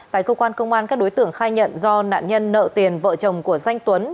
tại cơ quan công an các đối tượng khai nhận do nạn nhân nợ tiền vợ chồng của danh tuấn